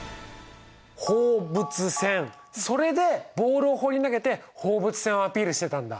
それでボールを放り投げて放物線をアピールしてたんだ。